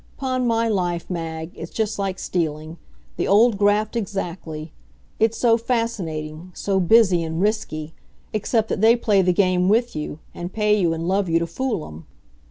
'Pon my life, Mag, it's just like stealing; the old graft exactly; it's so fascinating, so busy, and risky, except that they play the game with you and pay you and love you to fool 'em.